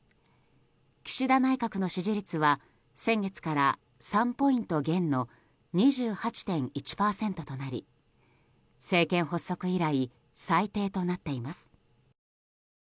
岸田内閣の支持率は先月から３ポイント減の２８．１％となり政権発足以来最低となっています。